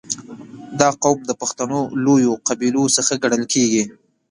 • دا قوم د پښتنو لویو قبیلو څخه ګڼل کېږي.